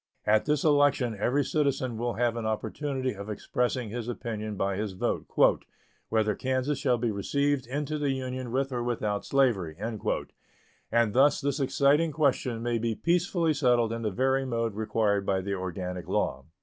At this election every citizen will have an opportunity of expressing his opinion by his vote "whether Kansas shall be received into the Union with or without slavery," and thus this exciting question may be peacefully settled in the very mode required by the organic law.